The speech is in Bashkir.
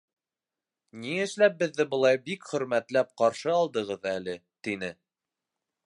Ни эшләп беҙҙе былай бик хөрмәтләп ҡаршы алдығыҙ әле? — тине.